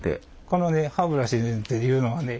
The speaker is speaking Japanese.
このね歯ブラシっていうのはね